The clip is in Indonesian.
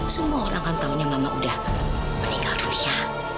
semua orang akan tahunya mama udah meninggal ya